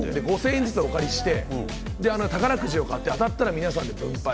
５０００円ずつお借りして宝くじを買って当たったら皆さんで分配。